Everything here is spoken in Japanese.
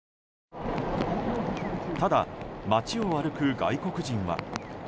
ただ、街を歩く外国人は。